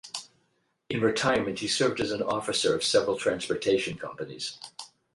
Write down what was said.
In retirement, he served as an officer of several transportation companies.